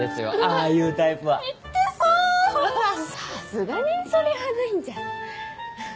さすがにそれはないんじゃ。